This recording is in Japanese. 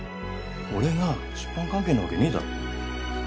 俺が出版関係なわけねえだろ。